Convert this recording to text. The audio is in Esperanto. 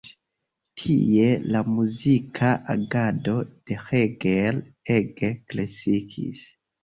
Tie la muzika agado de Reger ege kreskis.